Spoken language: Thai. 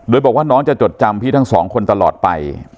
โดยบอกว่าน้องจะจดจำพี่ทั้งสองคนตลอดไป